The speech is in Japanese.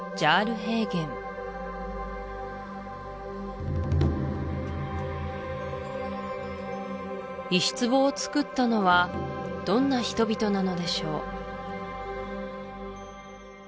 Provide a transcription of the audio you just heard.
平原石壺をつくったのはどんな人々なのでしょう？